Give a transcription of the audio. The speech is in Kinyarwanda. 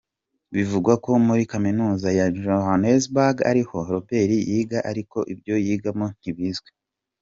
Bivugwa ko muri Kaminuza ya Johannesburg ariho Robert yiga ariko ibyo yigamo ntibizwi.